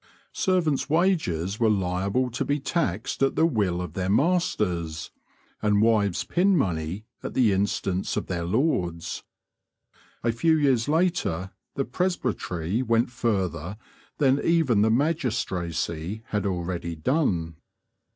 Servants' wages were liable to be taxed at the will of their masters, and wives' pin money at the instance of their lords. A few years later the presbytery went further than even the magistracy had already done.